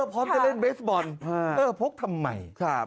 พร้อมจะเล่นเบสบอลพกทำไม